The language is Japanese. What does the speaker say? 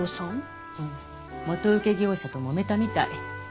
元請け業者ともめたみたい。